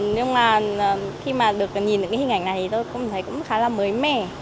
nhưng mà khi mà được nhìn được những cái hình ảnh này thì tôi cũng thấy cũng khá là mới mẻ